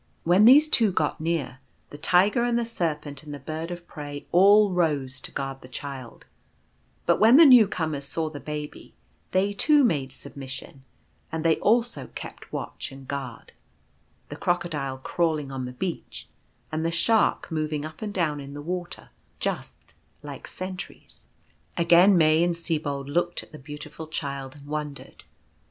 When these two got near, the Tiger and the Serpent and the Bird of Prey all rose to guard the Child; but when the new comers saw the Baby, they too made submission, and they also kept watch and guard — the Crocodile crawling on the beach, and the Shark moving up and down in the water — just like sentries. Again May and Sibold looked at the Beautiful Child and wondered.